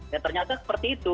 ya ternyata seperti itu